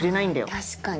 確かに。